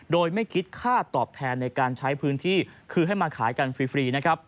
โดยไม่คิดค่าตอบแทนในการใช้พื้นที่คือให้มาขายกันฟรีนะครับ